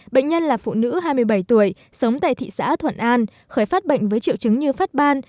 bệnh nhân là phụ nữ hai mươi bảy tuổi sống tại thị xã thuận an khởi phát bệnh với triệu chứng như phát ban